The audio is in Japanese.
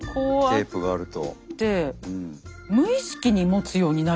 テープがあると。